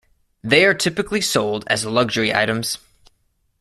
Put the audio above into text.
They are typically sold as luxury items.